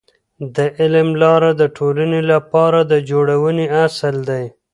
د علم لاره د ټولنې لپاره د جوړونې اصل دی.